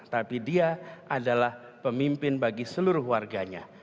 tapi dia adalah pemimpin bagi seluruh warganya